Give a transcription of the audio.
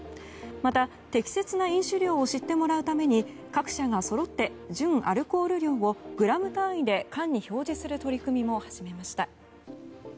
また、適切な飲酒量を知ってもらうために各社がそろって純アルコール量をグラム単位で缶に表示する取り組みも始めました。